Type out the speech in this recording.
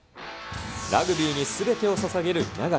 ラグビーにすべてをささげる稲垣。